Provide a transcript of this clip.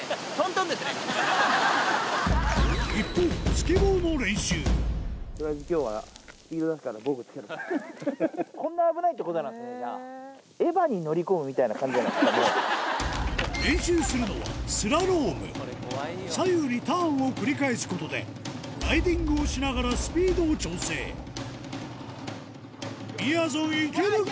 一方練習するのはスラローム左右にターンを繰り返すことでライディングをしながらスピードを調整みやぞんいけるか？